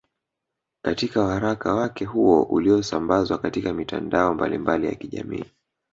Katika waraka wake huo uliosambazwa katika mitandao mbalimbali ya kijamii